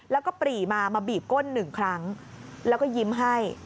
แล้วก็ปรีมามาบีบก้นหนึ่งครั้งแล้วก็ยิ้มให้